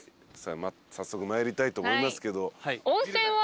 早速参りたいと思いますけど。